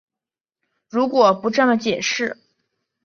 如果不这么解释